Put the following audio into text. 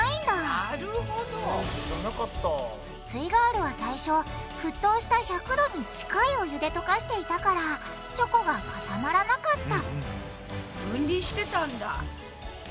イガールは最初沸騰した１００℃に近いお湯でとかしていたからチョコが固まらなかった分離してたんだ。